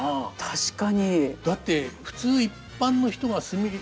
確かに。